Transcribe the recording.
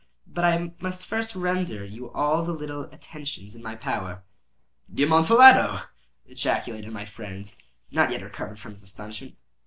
But I must first render you all the little attentions in my power." "The Amontillado!" ejaculated my friend, not yet recovered from his astonishment.